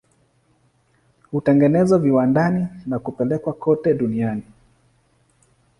Hutengenezwa viwandani na kupelekwa kote duniani.